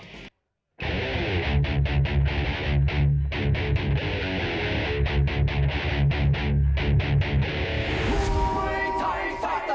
นี่กับเดินทางมาเองแล้วก็ขึ้นไปถอดมงคลให้กับลูกศิษย์ของตัวเอง